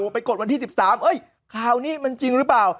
กดวันที่๑๓ข่าวนี้มันจริงหรือเปล่า